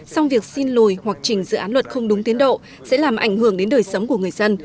xong việc xin lùi hoặc chỉnh dự án luật không đúng tiến độ sẽ làm ảnh hưởng đến đời sống của người dân